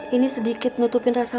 ini sedikit ngetupin rasa malu aja bang